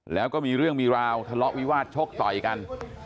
แล้วก็มีเรื่องมีราวทะเลาะวิวาสชกต่อยกัน